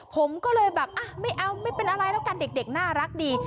ผมก็เลยแบบไม่เอาไม่เป็นอะไรแล้วกันเด็กน่ารักดี